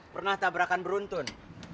pernah tabrakan beruntun